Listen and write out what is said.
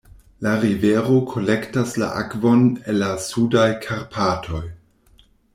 La rivero kolektas la akvon el la Sudaj Karpatoj.